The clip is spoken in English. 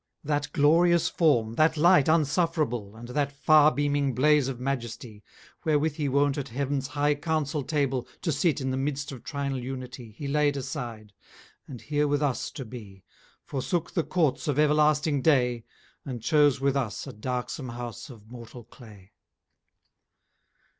II That glorious Form, that Light unsufferable, And that far beaming blaze of Majesty, Wherwith he wont at Heav'ns high Councel Table, 10 To sit the midst of Trinal Unity, He laid aside; and here with us to be, Forsook the Courts of everlasting Day, And chose with us a darksom House of mortal Clay.